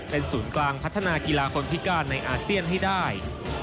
เป็นศูนย์กลางพัฒนากีฬาคนพิการในอาเซียนให้ได้